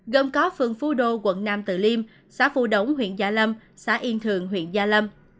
gồm có phường phú đô quận nam tử liêm xã phú đống huyện gia lâm xã yên thường huyện gia lâm